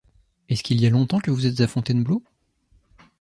Est-ce qu'il y a longtemps que vous êtes à Fontainebleau ?